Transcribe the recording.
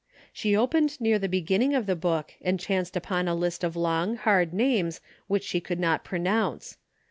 She opened near the beginning of the book and chanced upon a list of long, hard names which she could not pronounce.